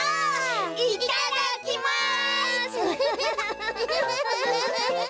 いっただっきます！